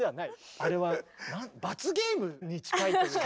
あれは罰ゲームに近いというか。